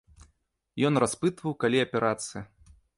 Ён распытваў, калі аперацыя.